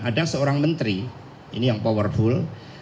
ada seorang menteri ini yang powerful